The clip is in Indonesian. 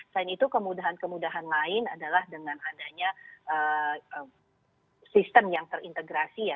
selain itu kemudahan kemudahan lain adalah dengan adanya sistem yang terintegrasi ya